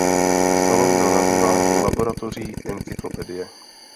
Salon byl nazýván "Laboratoří Encyklopedie".